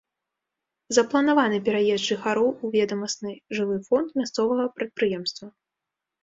Запланаваны пераезд жыхароў у ведамасны жылы фонд мясцовага прадпрыемства.